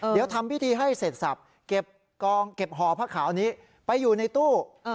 เดี๋ยวทำพิธีให้เสร็จสับเก็บกองเก็บห่อผ้าขาวนี้ไปอยู่ในตู้